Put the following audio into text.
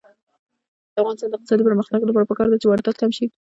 د افغانستان د اقتصادي پرمختګ لپاره پکار ده چې واردات کم شي.